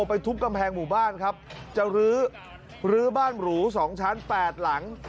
ไปทุบกำแพงหมู่บ้านครับจะลื้อลื้อบ้านหรูสองชั้นแปดหลัง